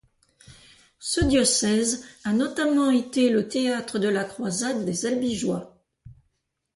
Ce diocèse a notamment été le théâtre de la croisade des Albigeois.